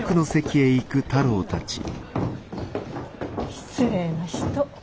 失礼な人。